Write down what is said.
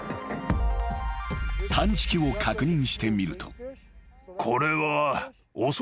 ［探知機を確認してみると］